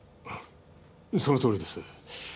そのとおりです。